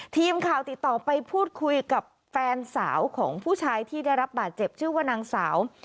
ทีมข่าวติดต่อไปพูดคุยกับแฟนสาวของผู้ชายที่ได้รับบาดเจ็บชื่อว่านางสาว